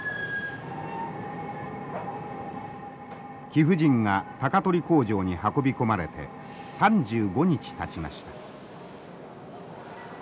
貴婦人が鷹取工場に運び込まれて３５日たちました。